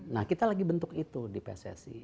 nah kita lagi bentuk itu di pssi